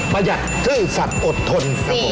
มายัดฮึอสัตว์อดทน